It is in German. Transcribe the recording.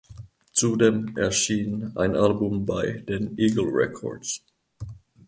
Zudem erschien ein Album bei den Eagle Records.